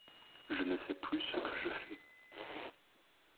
Je ne sais plus ce que je fais !